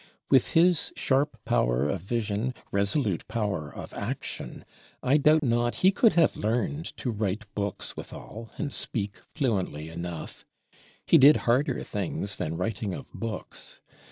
With his sharp power of vision, resolute power of action, I doubt not he could have learned to write Books withal, and speak fluently enough; he did harder things than writing of Books.